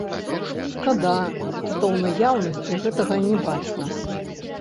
Шкада, што ў наяўнасці гэтага не бачна.